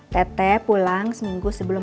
tete pulang seminggu sebelum